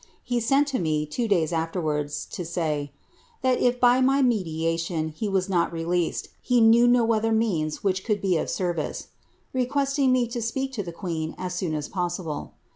He sent to me, two days afterwards, to say, < that if by my mediation he was not released, he knew no other means which could be of service,' requesting me to speak to the queen as soon as pos sible.